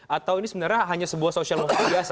atau ini sebenarnya hanya sebuah social movement biasa